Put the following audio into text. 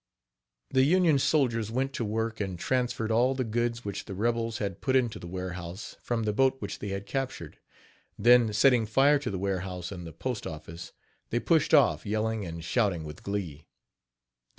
The Union soldiers went to work and transferred all the goods which the rebels had put into the warehouse from the boat which they had captured, then setting fire to the warehouse and the postoffice, they pushed off yelling and shouting with glee.